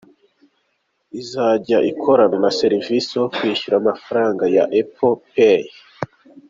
Izajya ikorana na serivisi yo kwishyura amafaranga ya Apple Pay.